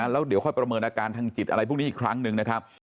แล้วเดี๋ยวค่อยประเมินอาการทางจิตอะไรพวกนี้อีกครั้งหนึ่งนะครับ